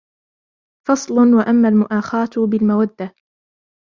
فَصْلٌ وَأَمَّا الْمُؤَاخَاةُ بِالْمَوَدَّةِ